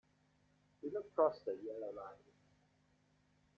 Do not cross the yellow line.